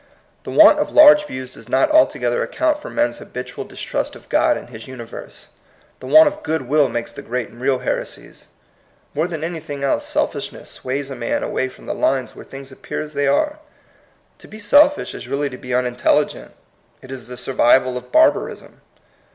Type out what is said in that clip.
The want of large views does not alto gether account for men's habitual distrust of God and his universe. The want of good will makes the great and real heresies. More than anything else selfishness sways a man away from the lines whei^e things appear as they are. To be selfish is really to be unintelligent; it is the survival of barbarism.